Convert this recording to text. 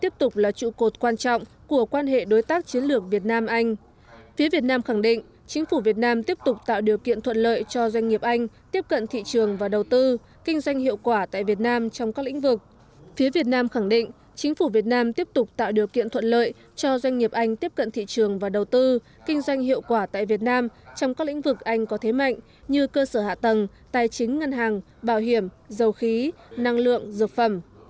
phía việt nam khẳng định chính phủ việt nam tiếp tục tạo điều kiện thuận lợi cho doanh nghiệp anh tiếp cận thị trường và đầu tư kinh doanh hiệu quả tại việt nam trong các lĩnh vực anh có thế mạnh như cơ sở hạ tầng tài chính ngân hàng bảo hiểm dầu khí năng lượng dược phẩm